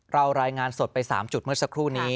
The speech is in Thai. รายงานสดไป๓จุดเมื่อสักครู่นี้